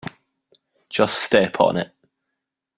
Just step on it.